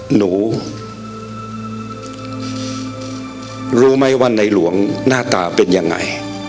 หนูรู้ไหมว่าในหลวงหน้าตาเป็นยังไง